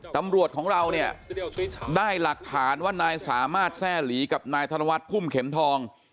ตำรวจของเราเนี่ยได้หลักฐานว่านายสามารถแทร่หลีกับนายธนวัฒน์พุ่มเข็มทอง